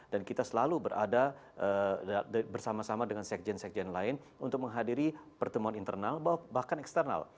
dan kita selalu berada bersama sama dengan sekjen sekjen lain untuk menghadiri pertemuan internal bahkan eksternal